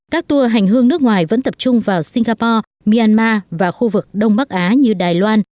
các tour hành hương nước ngoài vẫn tập trung vào singapore myanmar và khu vực đông bắc á như đài loan